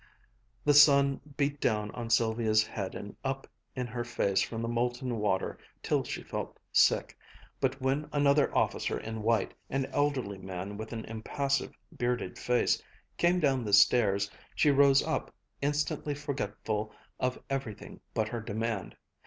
The sun beat down on Sylvia's head and up in her face from the molten water till she felt sick, but when another officer in white, an elderly man with an impassive, bearded face, came down the stairs, she rose up, instantly forgetful of everything but her demand.